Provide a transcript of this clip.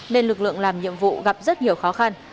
nên lực lượng làm nhiệm vụ gặp rất nhiều khó khăn